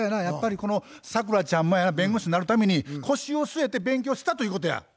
やっぱりこのサクラちゃんもやな弁護士になるために腰を据えて勉強したということや。